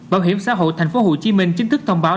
bảo hiểm xã hội tp hcm chính thức thông báo